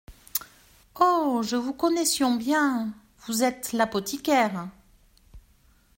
Oh ! je vous connaissions bien … vous êtes l'apothicaire …